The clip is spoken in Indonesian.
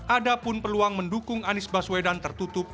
ada pun peluang mendukung anies baswedan tertutup